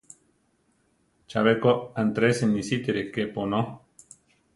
Chabé ko Antresi nisítire kepu onó.